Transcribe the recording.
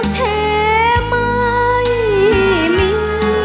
รักแท้ไม่มี